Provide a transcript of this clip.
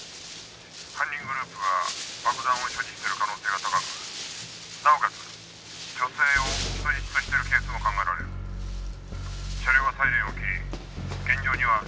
「犯人グループは爆弾を所持してる可能性が高くなおかつ女性を人質としてるケースも考えられる」「車両はサイレンを切り現場には近づかないように」